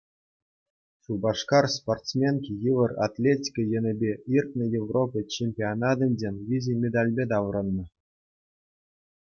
Шупашкар спортсменки йывӑр атлетика енӗпе иртнӗ Европа чемпионатӗнчен виҫӗ медальпе таврӑннӑ.